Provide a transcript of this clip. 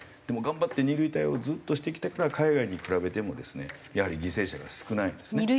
でも頑張って２類対応をずっとしてきたから海外に比べてもですねやはり犠牲者が少ないんですね。